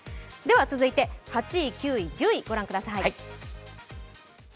続いて８位、９位、１０位、御覧ください。